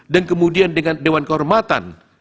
dan kemudian dengan dewan kehormatan